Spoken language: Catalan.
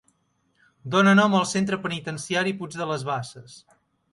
Dona nom al Centre Penitenciari Puig de les Basses.